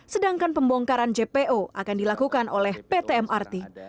sedangkan pembongkaran jpo akan dilakukan oleh pt mrt